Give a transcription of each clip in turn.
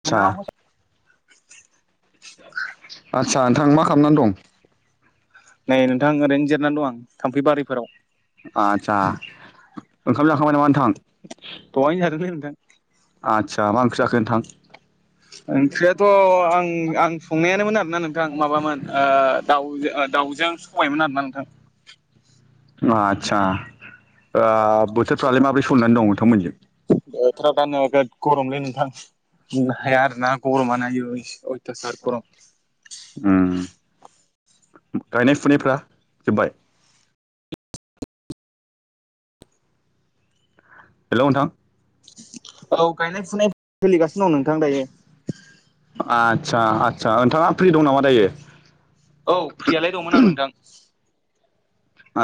आदसा [inaudible] आचसा नोंथां मा खालामनानै दं? नै नोंथां ओरैनो जिरनानै दं आं थाम्फै बारिफोराव आतसा ओंखाम जाखांबाय नामा दहायनो नोंथां? जादोंलै नोंथां आदसा मा ओंख्रि जाखो नोंथां? ओंख्रियाथ' आं आं संनायानो [unintelligible] न आरो [unintelligible] ना नोंथां माबामोन दाउ दाउजों सबायमोन आरोना नोंथां आस्सा ओ बोथोरफ्रालाय माबोरै संनानै दं नोंथांमोनजों बोथार दानो गरमलै नोंथांनो हाया आरो ना गरमानो प्रथसारफोर [inaudible] उम गायनाय फुनायफोरा्रा जोब्बाय हेल' नोंथां औ गायनाय फुनाय आतसा सोलिगासिनो दं नोंथां दायो आ [inaudible] आचचसा नोंथाङा फ्रि दं नामा दायो औ? फ्रियालाय दंमोन आं नोंथां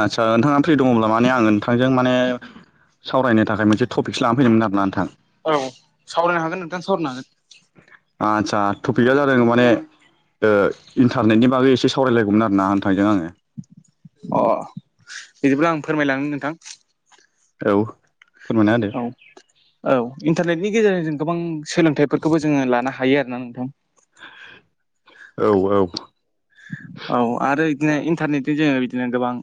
आस्सा नोंथाङा फ्रि दङब्ला माने आङो नोंथांजों माने सावरायनो थाखाय मोनसे टपिक्स लानानै फैदोंमोन आर ना नोंथां औ सावरायनो हागोन नोंथां सावरायनो हागोन आदसा टपिकआ जादों माने ओ इन्टारनेटनि बागै एसे सावरायलायगौमोन आर ना होन थांदों आङो अ बिदिब्ला आं फोरमायलांनो नोंथां औ फोरमायना होदो औ औ इन्टारनेटनि गेजेरजों जों गोबां सोलोंथाइफोरखौबो जोङो लानो हायो आरो औ औ औ आरो बिदिनो इन्टारनेटजों जोङो बिदिनो गोबां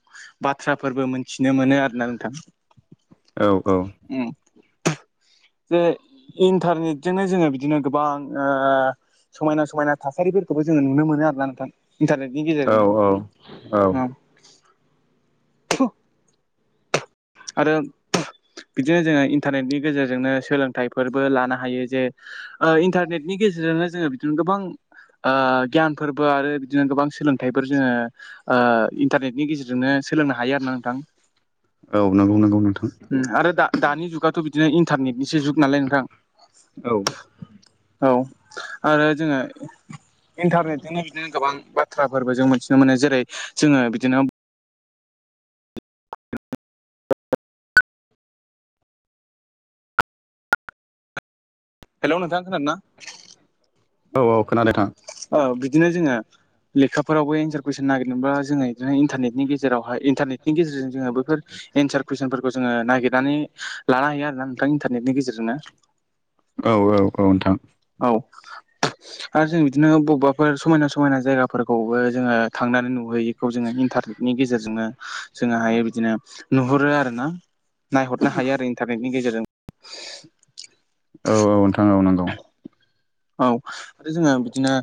बाथ्राफोरबो मोन मिनो [unintelligible] मोनो आरो ना नोंथां औ औ उम जे इन्टारनेटजोंनो जोङो बिदिनो गोबां समायना समायना थासारिफोरखौबो जोङो नुनो मोनो आरोना नोंथां इन्टारनेटनि औ औ औ गेजेरजोंनो आरो बिदिनो जोङो इन्टारनेटनि गेजेरजोंनो सोलोंथाइफोरबो लानो हायो जे ओ इन्टारनेटनि गेजेरजोंनो जोङो बिदिनो गोबां गियान फोरबो आरो बिदिनो गोबां सोलोंथाइफोर जोङो ओ इन्टारनेटनि गेजेरजोंनो सोलोंनो हायो आरो ना नोंथां [inaudible] नांगौ नांगौ आरो दा दानि जुगाथ' बिदिनो इन्टारनेटनिसो जुग नालाय नोंथां औ औ आरो जोंङो इन्टारनेटजोंनो बिदिनो गोबां बाथ्राफोरबो जों मोन्थिनो मोनो जेरै जोंङो बिदिनो हेलौ नोंथां खोनादोना? औ औ खोनादों थां ओ बिदिनो जोंङा लेखाफोरावबो एार कुइस निरा जो इन्टारनेनि गेजेरावहाय इन्टारनेटनि गेजेरजों जोंङो बेफोर एनसार कुइसनफोरखौ जोंङो नागिरनानै लानो हायो आरो ना नोंथां इन्टारनेतनि गेजेरजोंनो औ औ औ नोंथां औ आरो जों बिदिनो बबेबाफोर समायना समायना जायगाफोरखौबो जोंङो थांनानै नुहैयो बेखौ जोंङो इन्टारनेटनि गेजेरजोंनो जोंङो हायो बिदिनो नुहरो आरो ना नायहरनो हायो आरो इन्टारनेट नि गेजेरजों औ औ नोंथां औ नंगौ। औ आरो जोंङो बिदिनो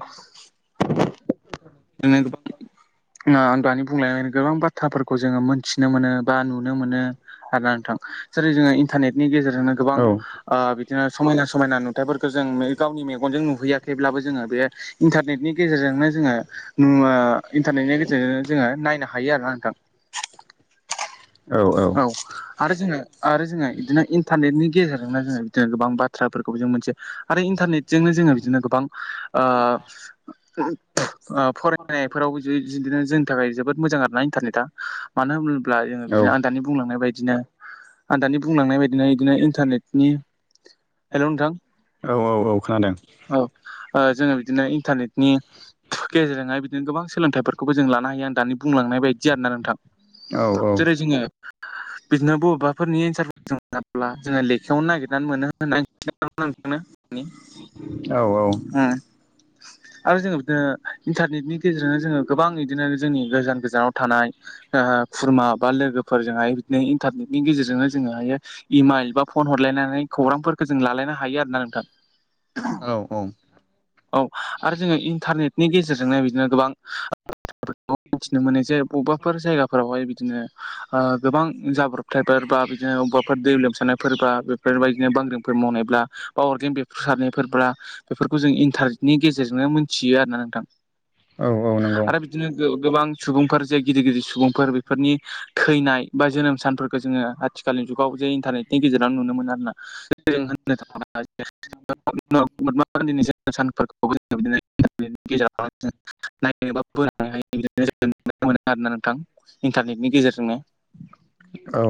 [inaudible] आं दानि बुंलाय गोबां बाथ्राफोरखौ जोंङो मोनथिनो मोनो बा नुनो मोनो हागोन नोंथां जेरै जोंङो इन्टारनेटनि गेजेरजोंनो गोबां औ ओ बिदिनो समायना समायना नुथाइफोरखौ जों गावनि मे मेगनजों नुहैयाखैब्लाबो जोंङो बे इन्टारनेटनि गेजेरजोंनो जोंङो नु इन्टारनेटनि गेजेरजोंनो जोङो नायनो हायो आरोना नोंथां। औ आरो जोंङो आरो जो बिदिनो इन्टारनेटनि गेजेरजोंना जोंङो बिदिनो गोबां बाथ्राफोरखौ जों मोनसे आरो इन्टारनेट जोंङो बिदिनो गोबां ओ ओ फरायनायफोराव बिदिनो जोंनि थाखाय जोबोद मोजां आरोना इन्टारनेटआ मानो होन [unintelligible] औ बिदिनो आानि बुंलांनाय बायदिनो आ बुंलांनाय बायदि बि बिदिनो इन्टारनेटनि हेलौ नोंथां औ औ खोनादों औ जोंङो बिदिनो इन्टारनेटनि गेजेरजोंहाय बिदिनो गोबां सोलोंथाइफोरखौबो जों लानो हायो आं दानि बुंलांनाय बायदि आरोना नोंथां औ औ जेरै- जोंङो बिदिनो बबेबाफोरनि एन्सारफोरखौ मोनाब्ला जोंङो लेखायावनो [unintelligible] औ औ आरो जोंङो बिदिनो इन्टारनेटनि गेजेरजोंनो जोंङो गोबां बिदिनो जोंनि गोजान नाव थानाय खुरमा बा लोगोफोरजोंहाय बिदिनो इन्टारनेटनि गेजेरजोंनो जोंङो हायो इमाइल बा फन हरलायनानै खौरांफोरखौ जों लालायनो हायो आरो ना नोंथां औ औ औ आरो जोंङो इन्टारनेट नि गेजेरजोंनो बिदिनो गोबां मिथिनो मोनो जे बबेबाफोर जायगाफोरावहाय बिदिनो ओ गोबां जाब्रब फिथथायफोरबा बिदिनो अबेबाफोर दै लोमसानायफोरबा बेफोरबायदि बिदिनो बांग्रिंफोर मावनायब्ला अरगें बे [unintelligible] फोरब्ला बेफोरखौ जों इन्टारनेटनि गेजेरजोंनो मोनथियो आरो ना नोंथां औ औ नंगौ आरो बिदिनो गो गोबां सुबुंफोर जे गिदिर गिदिर सुबुंफोर बेफोरनि थैनाय बा जोनोम सानफोरखौ जोंङो आथिखालनि जुगाव जे इन्टारनेटनि गेजेराव नुनो मोन आरोना जों होननो थाङ [unintelligible] [unintelligible] महात्मा गान्धीनि जोनोम सानफोरखौबो [unintelligible] नि गेजेराव नायनो [unintelligible] इन्टारनेटनि गेजेरजोंनो औ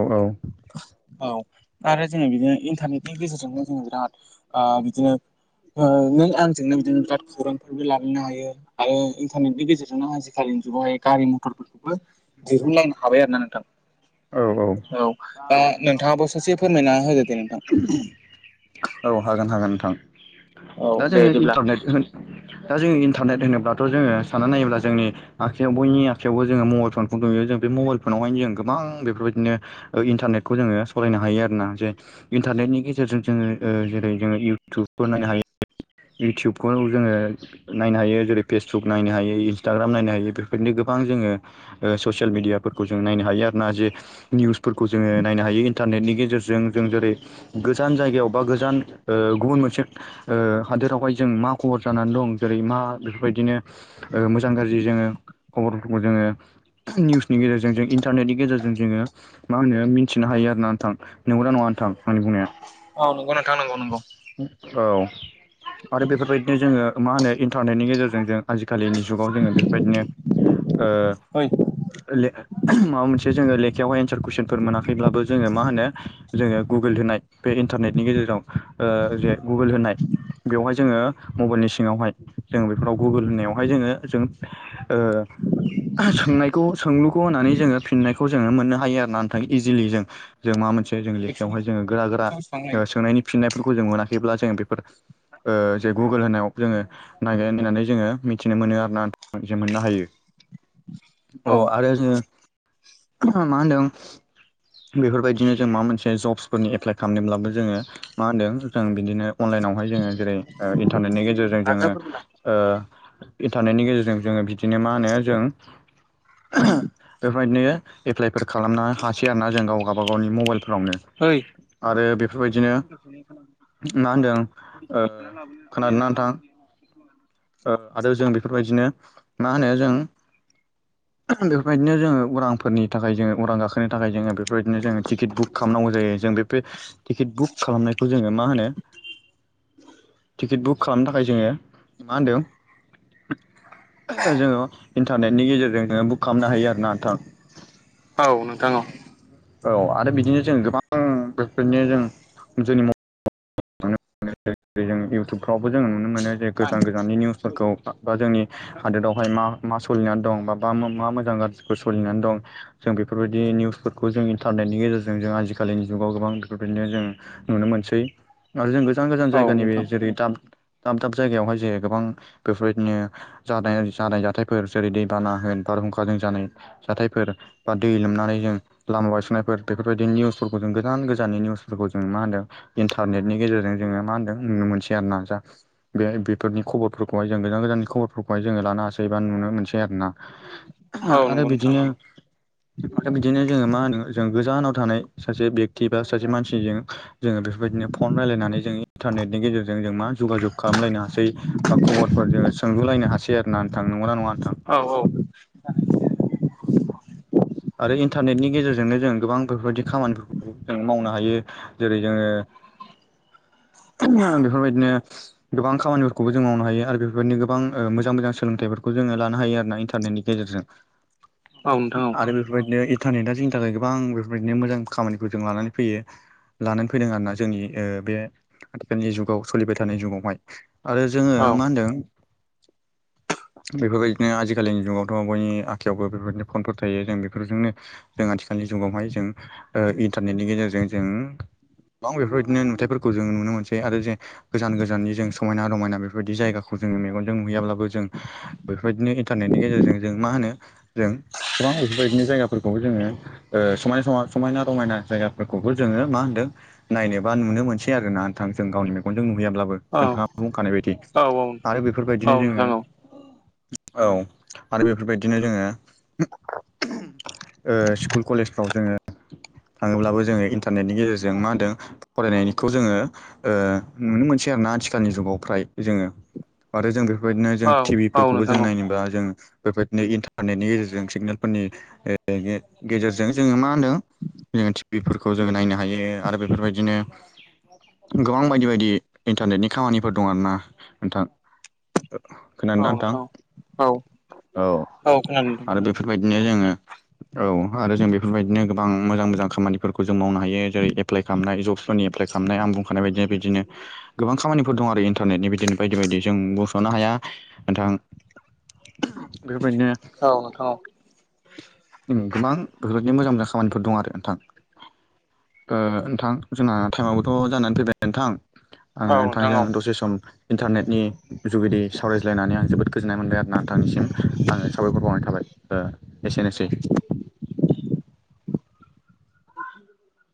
औ आरो जोंङो बिदिनो इन्टारनेटनि गेजेरजोंनो जोंङो बिराद बिदिनो नों आंजोंनो बिदिनो बिराद खौरांफोरबो लाबांनो हायो आरो इन्टारनेटनि गेजेरजों आजिखालिनि जुगावहाय गारि मथरफोरखौबो दिहुनलायनो हाबाय आरो ना नोंथां? औ औ औ दा नोंथाङाबो ससे फोरमायना होदो दे नोंथां। औ हागोन हागोन नोंथां औ दा दे जोङो बिदिब्ला इन्टारनेट होन दा जोङो इन्टारनेट होनोब्लाथ' जोङो सनानै नायोब्ला जोंनि आखाइयाव बयनि आखायावयावबो जोङो मबेल फनखौ नुयो जों बे मबाइल फनावहायनो जों गोबां बेफोरबायाददिनो ओ इन्टारनेटखौ जोङो सालायनो हायो आरोना जे इन्टारनेटनि गेजेरजों जोङो ओ जेरै जोङो इयउटुबबो नायनो हायो युटुबखौ जोङो नायनो हायो जेरै फेसबुक नायनो हायो इन्सटाग्राम नायनो हायो बेफोरनो गो गोबां जोङो ओ ससियेल मिडियाफोरखौ जों नायनो हायो आरो ना जे निउसफोरखौ जोङो नायनो हायो। इन्टारनेटनि गेजेरजों जों जेरै गोजान जायगायाव बा गोजान ओ गुबुन मोनसे ओ हा दोरावहाय जों मा खबर जानानै दं जेरै मा बेफोरबायदिनो ओ मोजां गाज्रि जोङो खबरफोरखौ जोङो निउसनि गेजेरजों जों इन्टारनेटनि गेजेरजों जोङो मा होनो मिथिनो हायो आरो ना नोंथां नंगौ नङा नोंथां आंनि बुंनाया? अ नगौ नोंथां नोंगौ नोंगौ। औ आरो बेफोरबायदिनो जोङो मा होनो इन्टारनेटनि गेजेरजों जों आजिखालिनि जुगाव जोङो बेफोरबायदिनो ओ ओइ ले माबा मोनसे जोङो लेखायावहाय एनसार कुइसनफोर मोनाखैब्लाबो जोङो मा होनो जोङो गुगोल होनाय बे इन्टारनेटनि गेजेराव ओ जे गुगोल होनाय बेवहाय जोङो मबाइलनि सिंआवहाय जों बेफोराव गुगोल होननाय जोंओ जों ओ सोंनाय खौ सोंलुखौ होनानै जोङो फिन्नायखौ जों मोननो हायो आरो ना नोंथां इजिलि जों जों माबा मोनसे मोनसे एक्स'नि लेखायावहाय जोङो गोरा एक्स'आव बेसेबां लायो गोरा सोंनायनि फिननायफोरखौ जों मोनाखैब्ला जोंङ बेफोर ओ जे गुगोल होनायाव जोङो नागिरनानै जोङो मिथिनो मोनो आरो ना जे मोननो हायो अ औ आरो जोङो मा होन्दों [inaudible] बेफोरबायदिनो जों माबा मोनसे जब्सफोरनि एप्लाइ खालामदोंब्लाबो जोङो मा होनदों जों बिदिनो अनलाइनावहाय जोङो जेरै ओ इन्टारनेटनि गेजेरजों जोङो लाग्राफोरबो लां ओ इन्टारनेटनि गेजेरजों जोङो बिदिनो मा होनो जों बेबायदिनो एप्लाइफोर खालामनो हासै आरोना जों गाव गावबा गावनि मबाइल फोरावनो ओइ आरो बेफोरबायदिनो मा होनदों ओ खोनादोंना ओन्थां? ओ आरो जों बेफोरबायदिनो मा होनो जों बेफोरबायदिनो जोङो उरांफोरनि थाखाय जोङो उरां गाखो नो थाखाय जोङो बेफोरबायदिनो जोङो टिकेट बुक खालामनांगौ जायो जों बेफोर टिकेट बुक खालामनायखौ जोङो मा होनो टिकेट बुक खालामनो थाखाय जोङो मा होनदों जोङो इन्टारनेटनि गेजेरजों जोङो बुक खालामनो हायो आरो ना नोंथां। औ नोंथां औ। औ आरो बिदिनो जों गोबां बेबायदिनो जों जोंनि म [unintelligible] इउटुबफ्रावबो जों नुनो मोनोजे गोजान गोजान नि नियुजफौरखौ बा जोंनि हादोदावहाय मा मा स सोलिनानै दं? बा मा मा मोजां गाज्रिफोर सोलिनानै दं जों बेफोरबायदि निउसफोरखौ जों इन्टारनेटनि गे गेजेरजों जों आजिखालिनि जुगाव गोबां बेफोरबायदिनो जों नुनो मोनसै। आरो जों गोजान गोजान औ जायगानि बे नोंथां जेरै दाम दाब दाब जायगायावहाय जे गोबां बेफोरबायदिनो जानाय जानाय जाथायफोर जेरै दैबाना होन बार हुंखाजों जानाय जाथायफोर बा दै लोमनानै जों लामा बायसननायफोर बेफोरबायदि निउसफोरखौ जों गोजान गोजाननि निउसफोरखौ जों मा होनदों इन्टार इन्टारनेटनि गेजेरजों जोङो मा होन्दों नुनो मोनसै आरो ना। जा बे बेफोरनि खबरफोरखौहाय जों गोजान गोजानि खबर बरफोरखौहाय जोङो लानो हासै बा नुनो मोनसै आरो ना। आरो बिदिनो आरो बिदिनो जोङो मा होनो जों गोजानाव थानाय सासे बेक्ति बा सासे मानसिजों जोङो बेफोरबायदिनो फन रायलायनानै जों इन्टारनेटनि गेजेर जों मा जग जग खालामलायनो हासै बा खबरफोर जोङो सोंलुलायनो हासै आरो ना नोंथां नंगौ ना नङा नोंथां आरो इन्टारनेटनि गेजेरजोंनो जों गोबां बेफोरबायदि खामानिफोरखौ जों मावनो हायो जेरै जोङो [inaudible] बेफोरबायदिनो गोबां खामानिफोरखौबो जों मावनो हायो आरो बेफोरबायदिनो गोबां मोजां मोजां सोलोंथाइफोरखौ जोङो लानो हायो आरोना इन्टारनेनि गेजेरजों औ नोंथां औ दा बेफोरबायदिनो इन्टारनेटा जोंनि थाखाय गोबां बेफोरबायदिनो मोजां खामानिखौ जोंनो लानानै फैयो लानानै फैदों आरोना जोंनि बे आथिखालनि जुगाव सोलिबाय थानाय जुगावहाय आरो जोङो औ औ मा होनदों बेफोरबायदिनो आजिखालिनि जुगावथ' बयनि आखायावबो बेफोरबायदिनो फनफोर थायो जों बेफोरजोंनो जों आथिखालनि जुगावहाय जों इन्टारनेटनि गेजेरजों जों गोबां बेफोरबायदिनो नुथथायफोरखौ जों नुनो मोनसै आरो जे गोजान गोजाननि जों समायना रमायना बेफोरबायदि जायगाखौ जोङो मेगनजों नुहैयाब्लाबो जों बेफोरबायदिनो इन्टारनेटनि गेजेरजों जों मा होनो जों गोबां बेफोरबायदिनो जायगाफोरखौबो जोङो समायना समान समायना रमायना जायगाफोरखौबो जोङो मा होनदों नायनोबा नुनो मोनसै आरो ना नोंथां जों गावनि मेगनजों नु हैयाब्लाबो औ नोंथाङा बुंखानाय बायदि औ आरो बेफोरबायदिनो जोङो नोंथां औ औ आरो बेफोरबायदिनो जोङो ओ स्कुल कलेजफ्राव जोङो थाङोब्लाबो जोङो इन्टारनेटनि गेजेरजों मा होनदों फरायनायखौ जोङो नुनो मोन सै आरोना आथिखालनि जुगाव फ्राय जोङो आरो जों बे फोरबायदिनो जों औ औ नोंथां औ टिभिफोरखौबो जों नोंथां औ नायनोबा जों बेबायदिनो इन्टारनेटनि गेजेरजों सिगनेल फोरनि गेजेरजों जोङो मा होनदों जोङो टिभिफोरखौ जोङो नायनो हायो आरो बेफोरबायदिनो गोबां बायदि बायदि इन्टारनेटनि खामानिफोर दं आरोना नोंथां खोनादों ना नोंथां औ औ खोनादों आरो नोंथां बे बादिनो जोङो औ आरो जों बेफोरबायदिनो गोबां मोजां मोजां खामानिफोरखौ जों मावनो हायो जेरै एप्लाइ खालामनाय जब्सफोरनि एप्लाइ खालामनाय आं बुंखानाय बायदिनो बिदिनो गोबां खामानिफोर दं आरो इन्टारनेटनि बिदिनो बायदि बायदि जों बुंस'नो हाया नोंथां बेफोरबायदिनो खोनादों औ नोंथां औ गोबां बेफोरबायदिनो मोजां मोजां खामानिफोर दं आरो नोंथां ओ नोंथां जोंना टाइमाबोथ' जानानै फैबाय नोंथां आङो औ नोंथां नोंथांजों औ दसे सम इन्टारनेटनि जुगिदि सावरायज्लायनानै आं जोबोद गोजोननाय मोनबाय आरो ना नोंथांनिसिम आङो साबायखर बाउनाय थाबाय एसेनोसै [inaudible]